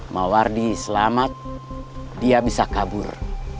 mawardi selamat dia bisa kabur